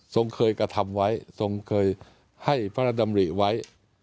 เคยกระทำไว้ทรงเคยให้พระราชดำริไว้